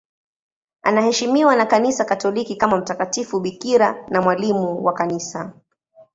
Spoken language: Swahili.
Anaheshimiwa na Kanisa Katoliki kama mtakatifu bikira na mwalimu wa Kanisa.